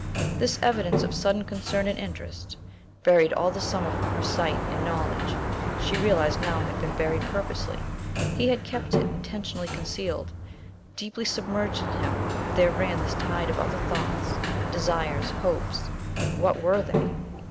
This evidence of sudden concern and interest, buried all the summer from her sight and knowledge, she realized now had been buried purposely, he had kept it intentionally concealed. Deeply submerged in him there ran this tide of other thoughts, desires, hopes. What were they?